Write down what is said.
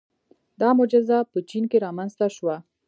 • دا معجزه په چین کې رامنځته شوه.